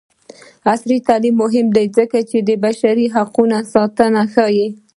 عصري تعلیم مهم دی ځکه چې د بشري حقونو ساتنه ښيي.